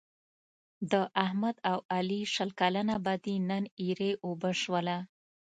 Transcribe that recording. د احمد او علي شل کلنه بدي نن ایرې اوبه شوله.